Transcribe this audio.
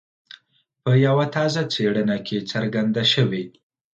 په یوه تازه څېړنه کې څرګنده شوي.